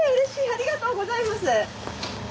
ありがとうございます。